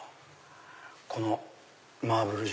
このマーブル状。